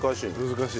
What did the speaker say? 難しい。